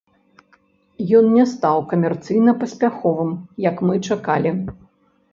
Ён не стаў камерцыйна паспяховым, як мы чакалі.